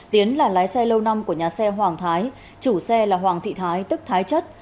tiến là lái xe lâu năm của nhà xe hoàng thái chủ xe là hoàng thị thái tức thái chất